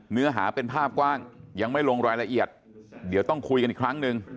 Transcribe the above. เนื้อหาเป็นภาพกว้างยังไม่ลงรายละเอียดเดี๋ยวต้องคุยกันอีกครั้งหนึ่ง